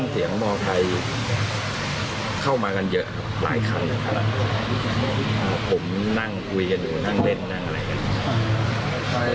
ก็คาดว่าคนก่อเหตุไม่น่าจะใช่คนในพื้นที่